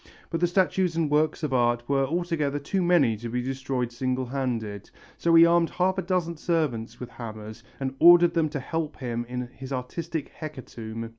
But the statues and works of art were altogether too many to be destroyed single handed, so he armed half a dozen servants with hammers and ordered them to help him in his artistic hecatomb.